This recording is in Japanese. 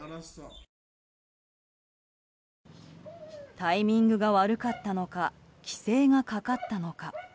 タイミングが悪かったのか規制がかかったのか。